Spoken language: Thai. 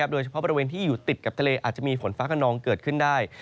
บริเวณที่อยู่ติดกับทะเลอาจจะมีฝนฟ้าขนองเกิดขึ้นได้